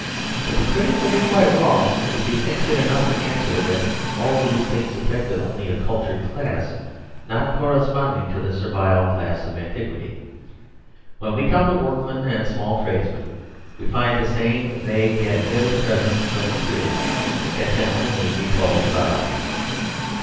But the critic will be quite wrong if he thinks it enough to an swer that all these things affected only a cul tured class, not corresponding to the servile class of antiquity. When we come to work men and small tradesmen, we find the same vague yet vivid presence of the spirit that can only be called the Vow.